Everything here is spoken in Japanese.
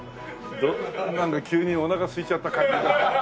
なんか急におなかすいちゃった感じで。